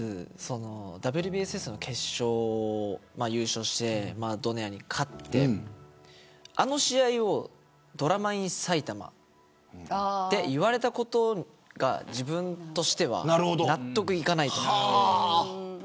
ＷＢＳＳの決勝を優勝してドネアに勝ってあの試合をドラマ・イン・サイタマと言われたことが自分としては納得いかないと。